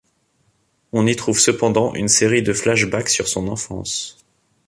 On y trouve cependant une série de flashbacks sur son enfance.